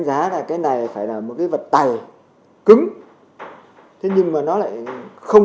xã minh tân huyện thuyền nguyên thành phố hải phòng